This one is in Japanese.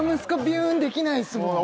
ビューンできないですもん